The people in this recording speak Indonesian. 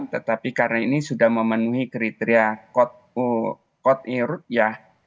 tetapi karena ini sudah memenuhi kriteria kot i ru yat